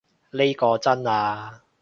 呢個真啊